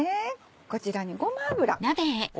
こちらにごま油。